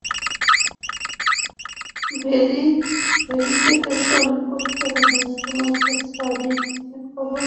Verification করতে হবে তোমাকে স্যার এইখানের খবর কী?